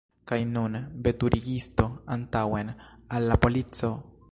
Kaj nun, veturigisto, antaŭen, al la polico!